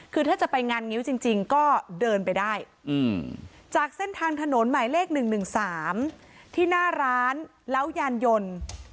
คือถ้าจะไปงานงิ้วจริงก็เดินไปได้จากเส้นทางถนนหมายเลข๑๑๓ที่หน้าร้านแล้วยานยนต์